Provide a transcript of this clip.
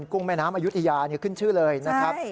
กุ้งแม่น้ำอายุทยาขึ้นชื่อเลยนะครับ